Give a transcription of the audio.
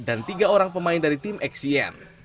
dan tiga orang pemain dari tim xcn